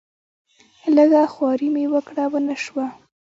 لږه خواري مې وکړه ونه شو.